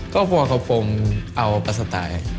ก็เพราะว่าผมเอาภาษาไทย